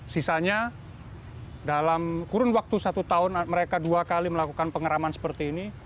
sisanya dalam kurun waktu satu tahun mereka dua kali melakukan pengeraman seperti ini